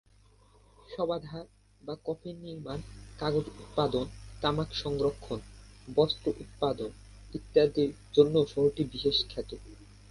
শবাধার বা কফিন নির্মাণ, কাগজ উৎপাদন, তামাক সংরক্ষণ, বস্ত্র উৎপাদন, ইত্যাদির জন্যও শহরটি বিশেষ খ্যাত।